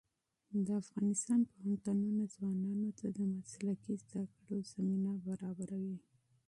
د افغانستان پوهنتونونه ځوانانو ته د مسلکي زده کړو زمینه برابروي.